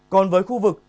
còn với khu vực